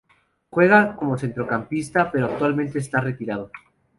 Juega como centrocampista pero actualmente está retirado.